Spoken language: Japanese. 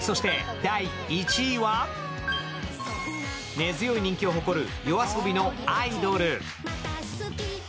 根強い人気を誇るＹＯＡＳＯＢＩの「アイドル」。